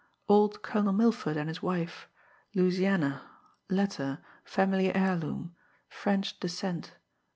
old Colonel Milford and his wife... Louisiana... letter... family heirloom... French descent...